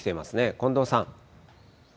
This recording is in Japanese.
近藤さん。